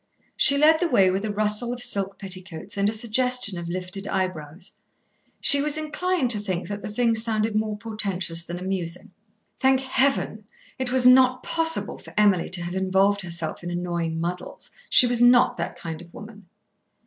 She led the way with a rustle of silk petticoats and a suggestion of lifted eyebrows. She was inclined to think that the thing sounded more portentous than amusing. Thank Heaven! it was not possible for Emily to have involved herself in annoying muddles. She was not that kind of woman.